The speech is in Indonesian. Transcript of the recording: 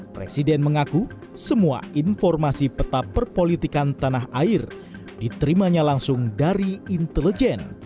presiden mengaku semua informasi peta perpolitikan tanah air diterimanya langsung dari intelijen